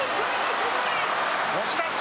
押し出し。